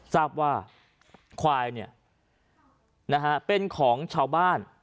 ทราบว่าควายเนี้ยนะฮะเป็นของชาวบ้าน